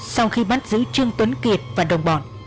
sau khi bắt giữ trương tuấn kiệt và đồng bọn